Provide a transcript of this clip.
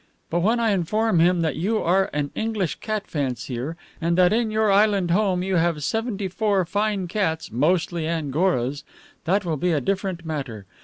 But when I inform him that you are an English cat fancier, and that in your island home you have seventy four fine cats, mostly Angoras, that will be a different matter.